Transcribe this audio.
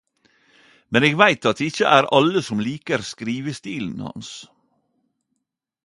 Men eg veit at det ikkje er alle som liker skrivestilen hans.